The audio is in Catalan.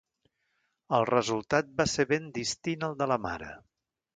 El resultat va ser ben distint al de la mare.